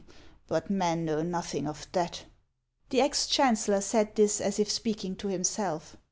But men know nothing of that." The ex chancellor said this as if speaking to himself.